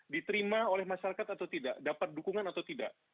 diterima oleh masyarakat atau tidak dapat dukungan atau tidak